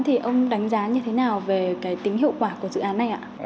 thì ông đánh giá như thế nào về cái tính hiệu quả của dự án này ạ